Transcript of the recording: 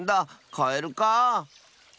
カエルかあ。